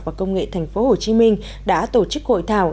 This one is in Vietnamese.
và công nghệ tp hcm đã tổ chức hội thảo